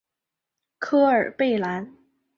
科尔贝兰。